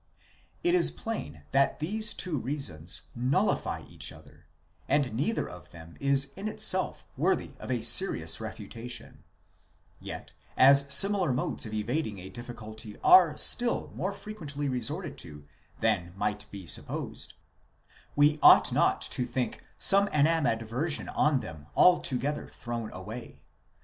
5? It is plain that these two reasons nullify each other, and neither of them is in itself worthy of a serious refutation ; yet as similar modes of evading a difficulty are still more frequently resorted to than might be supposed, we ought not to think some animadversion on them altogether thrown away.